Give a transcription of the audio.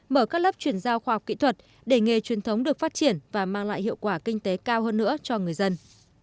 mở các lớp chuyển giao khoa học kỹ thuật để nghề truyền thống được phát triển và mang lại hiệu quả kinh tế cao hơn nữa cho người dân